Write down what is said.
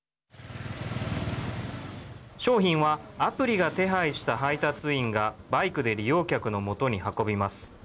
商品はアプリが手配した配達員がバイクで利用客のもとに運びます。